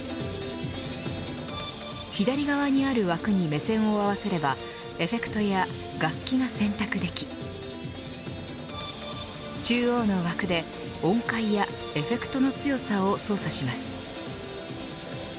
左側にある枠に目線を合わせればエフェクトや楽器が選択でき中央の枠で音階やエフェクトの強さを操作します。